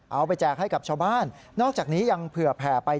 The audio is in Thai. แจกให้กับชาวบ้านนอกจากนี้ยังเผื่อแผ่ไป